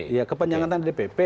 iya kepanjangan tangan dpp